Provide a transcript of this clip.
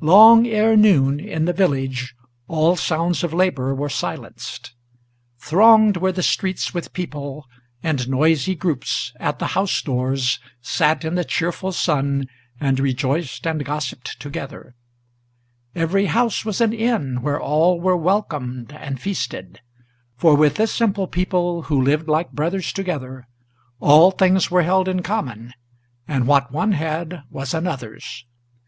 Long ere noon, in the village all sounds of labor were silenced. Thronged were the streets with people; and noisy groups at the house doors Sat in the cheerful sun, and rejoiced and gossiped together, Every house was an inn, where all were welcomed and feasted; For with this simple people, who lived like brothers together, All things were held in common, and what one had was another's.